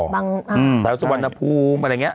บางอ่ะอืมแถวสุวรรณภูมิอะไรอย่างเงี้ย